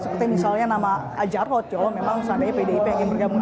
seperti misalnya nama ajarot memang seandainya pdip yang bergabung